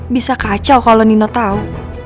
bisa kacau kalau nino tahu